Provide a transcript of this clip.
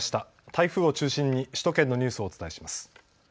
台風を中心に首都圏のニュースをお伝えします。